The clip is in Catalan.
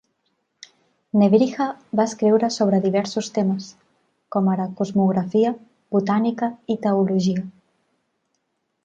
Nebrija va escriure sobre diversos temes, com ara cosmografia, botànica y teologia.